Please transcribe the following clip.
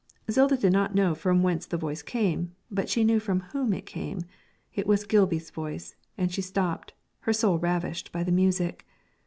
Zilda did not know from whence the voice came, but she knew from whom it came. It was Gilby's voice, and she stopped, her soul ravished by the music.